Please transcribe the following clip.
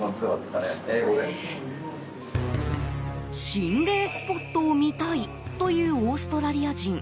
心霊スポットを見たいというオーストラリア人。